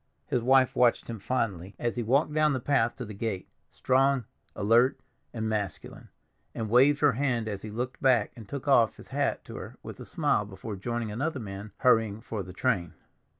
His wife watched him fondly as he walked down the path to the gate, strong, alert, and masculine, and waved her hand as he looked back and took off his hat to her with a smile before joining another man hurrying for the train.